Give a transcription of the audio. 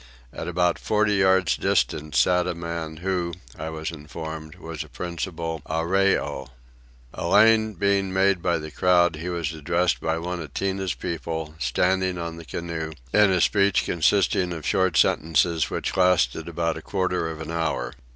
At about forty yards distant sat a man who, I was informed, was a principal Arreoy. A lane being made by the crowd he was addressed by one of Tinah's people, standing on the canoe, in a speech composed of short sentences which lasted about a quarter of an hour.